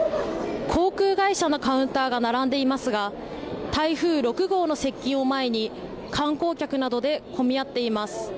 航空会社のカウンターが並んでいますが台風６号の接近を前に観光客などで混み合っています。